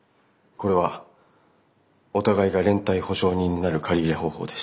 これはお互いが連帯保証人になる借り入れ方法です。